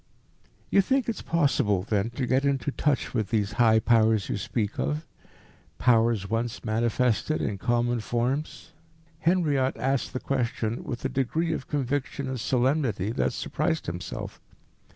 "You think it possible, then, to get into touch with these High Powers you speak of, Powers once manifested in common forms?" Henriot asked the question with a degree of conviction and solemnity that surprised himself.